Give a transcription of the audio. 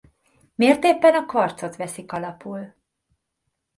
Miért éppen a kvarcot veszik alapul?